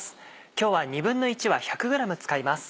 今日は１／２わ１００ｇ使います。